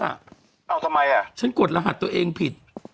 เอาทำไมอ่ะฉันกดรหัสตัวเองผิด